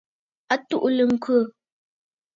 A tuʼulə ŋkhə.